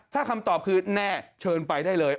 ถ้าคำตอบคือแน่เชิญไปได้เลย